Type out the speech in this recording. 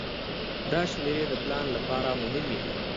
دا شمیرې د پلان لپاره مهمې دي.